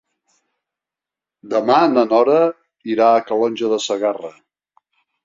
Demà na Nora irà a Calonge de Segarra.